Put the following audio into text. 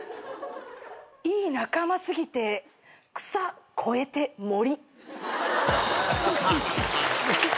いい仲間すぎて草こえて森。